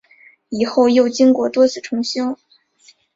以后又经过多次重修。